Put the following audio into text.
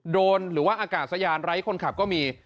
โดนหรือว่าอากาศยานไร้คนขับก็มี